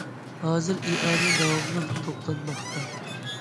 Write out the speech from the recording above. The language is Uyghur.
ھازىر ئىئانە داۋاملىق توپلانماقتا.